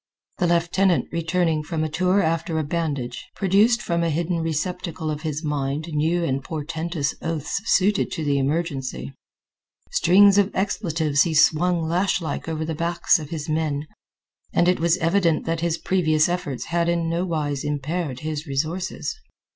The lieutenant, returning from a tour after a bandage, produced from a hidden receptacle of his mind new and portentous oaths suited to the emergency. Strings of expletives he swung lashlike over the backs of his men, and it was evident that his previous efforts had in nowise impaired his resources.